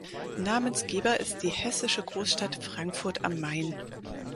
Namensgeber ist die hessische Großstadt Frankfurt am Main.